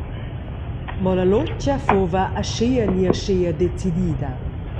Mo la lutga fuva aschia ni aschia decidida.